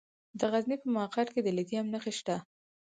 د غزني په مقر کې د لیتیم نښې شته.